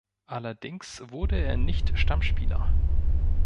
Allerdings wurde er nicht Stammspieler.